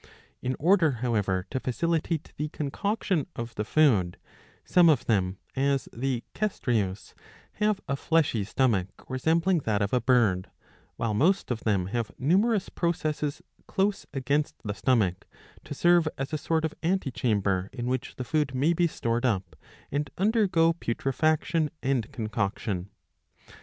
^^ In order however to facilitate the concoction of the food, some of them, as the Cestreus, have a fleshy stomach resembling that of a bird ;*^ while most of them have numerous processes close against, the stomach, to serve as a sort of antechamber in which the food may be stored up and undergo putrefaction 2° and concoction.